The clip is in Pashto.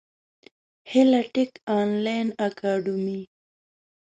هیله ټېک انلاین اکاډمي